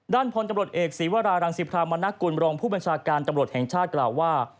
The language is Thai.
พลตำรวจเอกศีวรารังสิพรามณกุลบรองผู้บัญชาการตำรวจแห่งชาติกล่าวว่า